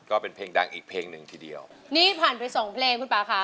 ก็เป็นเพลงดังอีกเพลงหนึ่งทีเดียวนี่ผ่านไปสองเพลงคุณป่าค่ะ